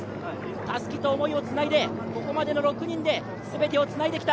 たすきと思いをつないでここまでの６人で全てをつないできた。